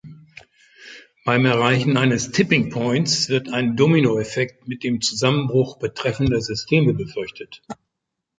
Beim Erreichen eines „Tipping Points“ wird ein „Dominoeffekt“ mit dem Zusammenbruch betreffender Systeme befürchtet.